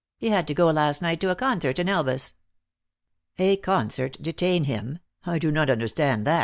" He had to go last night to a concert in Elvas." " A concert detain him ! I do not understand that."